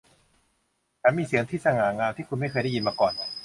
ฉันมีเสียงที่สง่างามที่คุณไม่เคยได้ยินมาก่อน